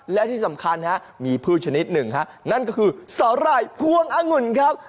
และที่สำคัญฮะมีพืชชนิดหนึ่งฮะนั่นก็คือสาหร่ายพวงองุ่นครับ